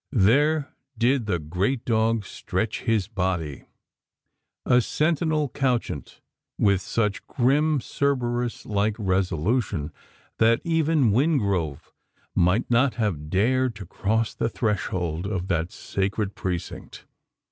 There did the great dog stretch his body a sentinel couchant with such grim Cerberus like resolution, that even Wingrove might not have dared to cross the threshold of that sacred precinct?